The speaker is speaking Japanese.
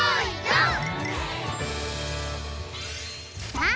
さあ